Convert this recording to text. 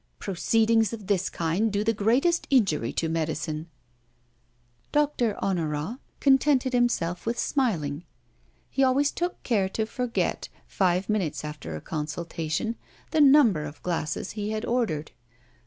Proceedings of this kind do the greatest injury to medicine." Doctor Honorat contented himself with smiling. He always took care to forget, five minutes after a consultation, the number of glasses which he had ordered.